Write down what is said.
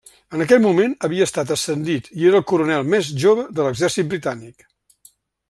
En aquest moment, havia estat ascendit i era el coronel més jove de l’exèrcit britànic.